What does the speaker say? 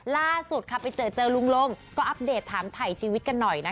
ล่าสุดไปเจอรุงรงค์ก็อัปเดตถามถ่ายชีวิตกันหน่อย